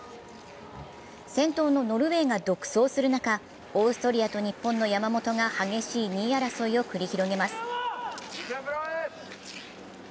先頭のノルウェーが独走する中、オーストリアと日本の山本が激しい２位争いを繰り広げます。